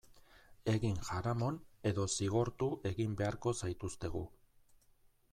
Egin jaramon edo zigortu egin beharko zaituztegu.